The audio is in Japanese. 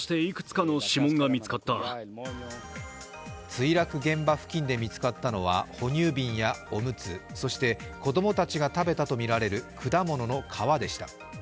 墜落現場付近で見つかったのは哺乳瓶やおむつ、そして子供達が食べたとみられる果物の皮でした。